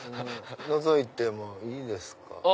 のぞいてもいいですか？